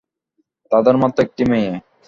তাঁদের মাত্র একটি মেয়ে।